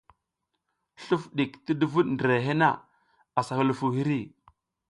Sluf ɗik ti duvuɗ ndirehe na, a hulufuw hiri.